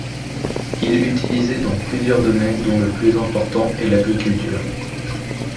Il utilisé dans plusieurs domaines dont le plus important est l'agriculture.